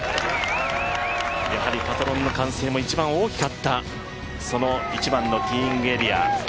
やはりパトロンの歓声も一番大きかった、その１番のティーイングエリア。